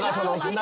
何？